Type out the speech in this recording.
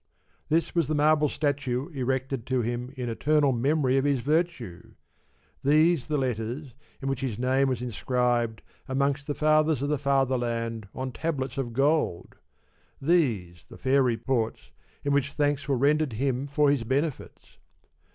This was the marble statue erected to him in eternal memory of his virtue ! These the letters in which his name was inscribed amongst the fathers of the Father land on tablets of gold ! These the fair reports in which thanks were rendered him for his benefits